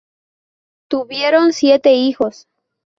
Tuvieron siete hijos